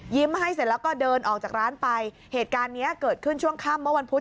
ให้เสร็จแล้วก็เดินออกจากร้านไปเหตุการณ์เนี้ยเกิดขึ้นช่วงค่ำเมื่อวันพุธ